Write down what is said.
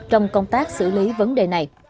trong công tác xử lý vấn đề